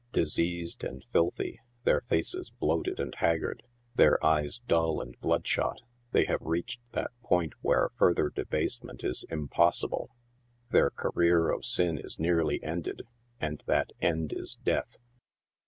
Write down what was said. Diseased and filthy, their faces bloated and haggard, their eyes dull and bloodshot, they have reached that point where further debasement is impossible ; their career of sin is nearly ended, and that end is death.